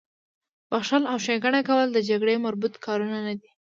بخښل او ښېګڼه کول د جګړې مربوط کارونه نه دي